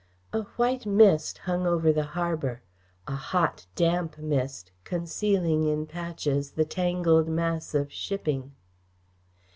A white mist hung over the harbour; a hot, damp mist, concealing in patches the tangled mass of shipping....